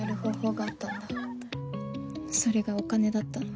それがお金だったの。